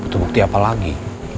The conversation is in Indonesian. butuh bukti apa lagi